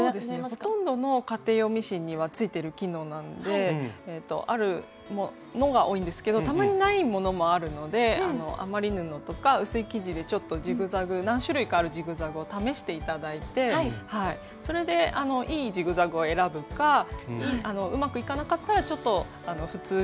ほとんどの家庭用ミシンにはついてる機能なんであるものが多いんですけどたまにないものもあるので余り布とか薄い生地でちょっとジグザグ何種類かあるジグザグを試して頂いてそれでいいジグザグを選ぶかうまくいかなかったらちょっと普通地ぐらいから作って頂くといいかなと。